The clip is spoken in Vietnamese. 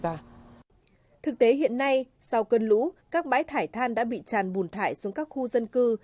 thực tế hiện nay sau cơn lũ các bãi thải than đã bị tràn bùn thải xuống các khu dân cư